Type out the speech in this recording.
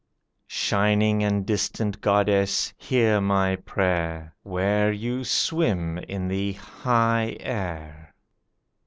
"Shining and distant Goddess, hear my prayer Where you swim in the high air!